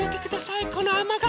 このあまがっぱ。